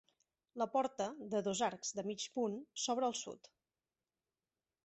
La porta, de dos arcs de mig punt, s'obre al sud.